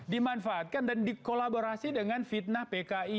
dimanfaatkan dan dikolaborasi dengan fitnah pki